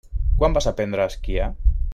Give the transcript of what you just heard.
Quan vas aprendre a esquiar?